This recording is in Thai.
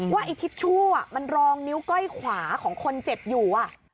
ไอ้ทิชชู่มันรองนิ้วก้อยขวาของคนเจ็บอยู่